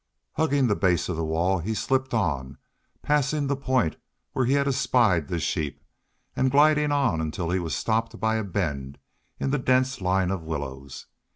Hugging the base of the wall, he slipped on, passing the point where he had espied the sheep, and gliding on until he was stopped by a bend in the dense line of willows.